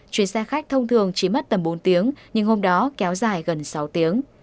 chuyến xe khách thông thường chỉ mất tầm bốn tiếng nhưng hôm đó kéo dài gần sáu tiếng